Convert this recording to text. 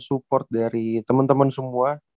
support dari temen temen semua